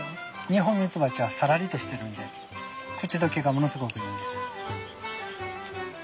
ニホンミツバチはサラリとしてるんで口溶けがものすごくいいんです。